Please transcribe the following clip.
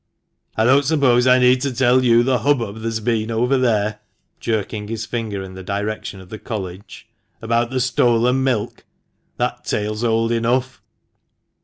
" I don't suppose I need to tell you the hubbub there's been over there " (jerking his finger in the direction of the College) " about the stolen milk ? That tale's old enough."